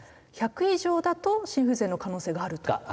１００以上だと心不全の可能性があると。